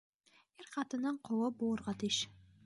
Ир ҡатындың ҡоло булырға тейеш.